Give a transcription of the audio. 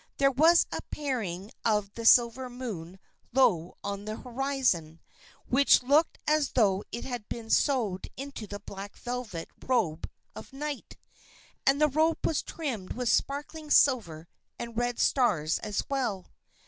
There was a paring of silver moon low on the horizon, which looked as though it had been sewed into the black velvet robe of Night; and the robe was trimmed with sparkling silver and red stars as well.